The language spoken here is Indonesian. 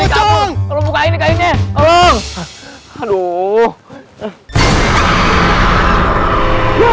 tolong bukain nih kainnya